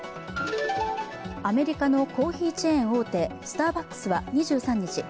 アメリカのコーヒーチェーン大手スターバックスは２３日